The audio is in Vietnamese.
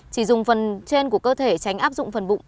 chỉ dùng phần trên của cơ thể tránh áp dụng phần bụng